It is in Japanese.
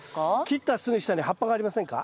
切ったすぐ下に葉っぱがありませんか？